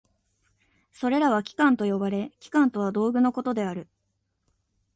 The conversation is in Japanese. それらは器官と呼ばれ、器官とは道具のことである。